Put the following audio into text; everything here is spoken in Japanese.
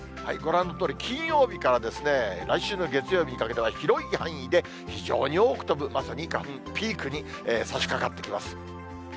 ご覧のとおり、金曜日から来週の月曜日にかけては、広い範囲で非常に多く飛ぶ、まさに花粉ピークにさしかかってきます。